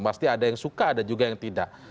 pasti ada yang suka ada juga yang tidak